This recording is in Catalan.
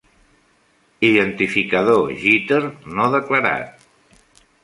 Identificador "jitter" no declarat.